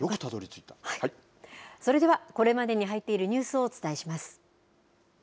それでは、これまでに入っているニュースをお伝えします。